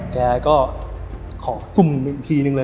แกก็ขอซุ่มดูอีกทีนึงเลย